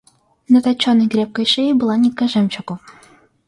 На точеной крепкой шее была нитка жемчугу.